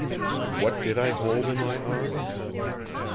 What did I hold in my arms?